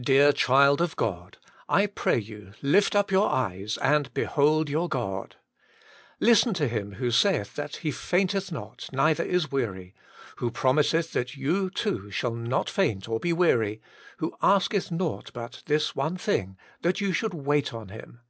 Dear child of God ! I pray you, lift up your eyes, and behold your God ! Listen to Him who saith that He f ainteth not, neither is weary, who promiseth that you too shall not faint or be weary, who asketh nought but this one thing, that you should wait on Him.